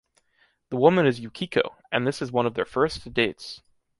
The woman is Yukiko, and this is one of their first dates.